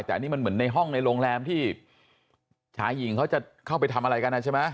แต่อันนี้มันเหมือนในห้องในโรงแรมที่ชายหญิงเขาจะเข้าไปทำอะไรกันใช่ไหม